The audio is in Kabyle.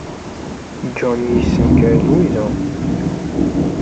John yessenker Lwiza.